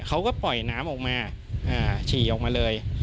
เขาก็ปล่อยน้ำออกมาฉี่ออกมาเลย